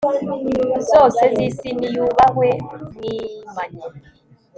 zose z'isi, niyubahwe mwimanyi